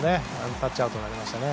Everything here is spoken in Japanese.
タッチアウトになりましたね。